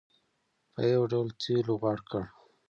په یو ډول تېلو غوړ کړ.